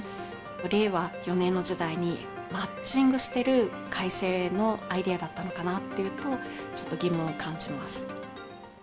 令和４年の時代に、マッチングしてる改正のアイデアだったのかなっていうと、ちょっと疑問を感じます。